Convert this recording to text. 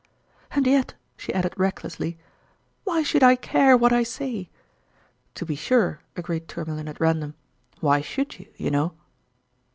" And, yet," she added recklessly, " why should I care what I say ?"" To be sure," agreed Tourmalin at random, " why should you, you know